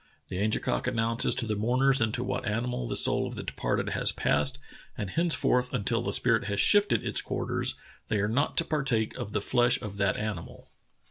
The Angekok announces to the mourners into what animal the soul of the departed has passed, and henceforth, until the spirit has shifted its quarters, they are not to partake of the flesh of that animal."